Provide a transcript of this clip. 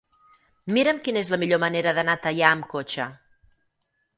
Mira'm quina és la millor manera d'anar a Teià amb cotxe.